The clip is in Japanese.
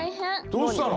どうしたの？